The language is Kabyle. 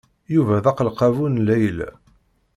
Yuba d aqelqabu n Layla.